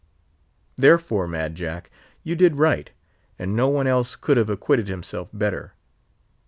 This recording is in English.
Therefore, Mad Jack! you did right, and no one else could have acquitted himself better.